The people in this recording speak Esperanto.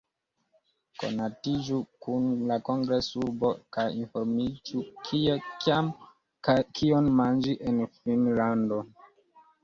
Konatiĝu kun la kongres-urbo, kaj informiĝu kie, kiam, kaj kion manĝi en Finnlando.